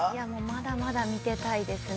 ◆まだまだ見てたいですね。